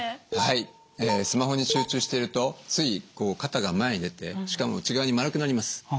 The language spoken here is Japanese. はいスマホに集中しているとつい肩が前に出てしかも内側に丸くなります。